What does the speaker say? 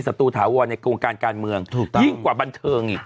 สตูถาวรในโครงการการเมืองถูกยิ่งกว่าบันเทิงอีก